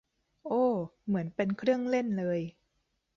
โอ้ เหมือนเป็นเครื่องเล่นเลย